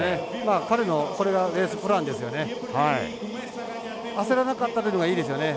彼のこれがレースプランですよね。